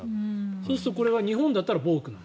そうするとこれは日本だったらボークなの？